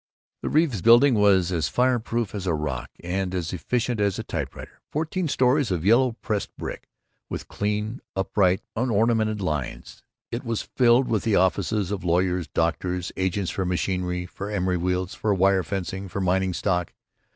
The Reeves Building was as fireproof as a rock and as efficient as a typewriter; fourteen stories of yellow pressed brick, with clean, upright, unornamented lines. It was filled with the offices of lawyers, doctors, agents for machinery, for emery wheels, for wire fencing, for mining stock.